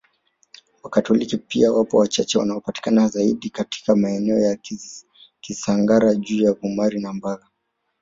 Wakatoliki pia wapo wachache wanapatikana zaidi katika maeneo ya Kisangara juu Vumari na Mbaga